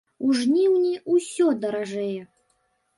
У жніўні усё даражэе.